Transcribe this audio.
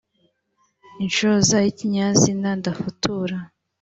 inshoza y ikinyazina ndafutura